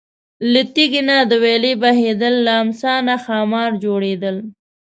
له تیږې نه د ویالې بهیدل، له امسا نه ښامار جوړېدل.